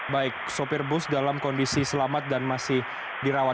baik sopir bus dalam kondisi selamat dan masih dirawat